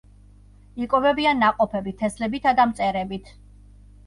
იკვებებიან ნაყოფებით, თესლებითა და მწერებით.